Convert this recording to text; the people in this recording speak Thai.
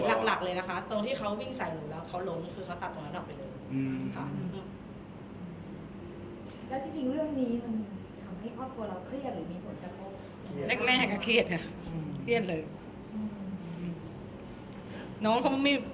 หลักเลยนะคะตรงที่เขาวิ่งใส่หนูแล้วเขาล้มคือเขาตัดตรงนั้นออกไปเลยค่ะ